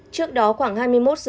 trước đó khoảng hai mươi một sớm